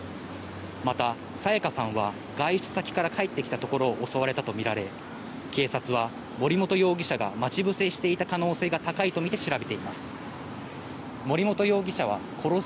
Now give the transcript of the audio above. また、彩加さんは外出先から帰ってきたところを襲われたとみられ、警察は森本容疑者が待ち伏せしていた可能性が高いとみて調べています。